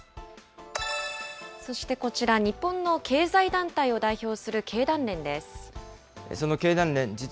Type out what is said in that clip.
そしてこちら、日本の経済団体を代表する経団連です。